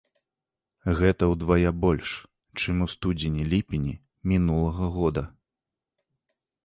Гэта ўдвая больш, чым у студзені-ліпені мінулага года.